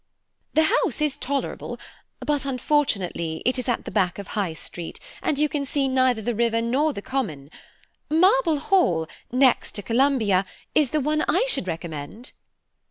"The house is tolerable, but unfortunately it is at the back of High Street, and you can see neither the river nor the common. Marble Hall, next to Columbia, is the one I should recommend."